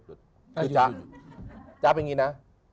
หยุดจ๊ะจ๊ะเป็นงี้นะ